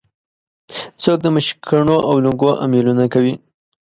څوک د مشکڼو او لونګو امېلونه کوي